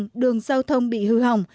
trường giao thông bị hư hỏng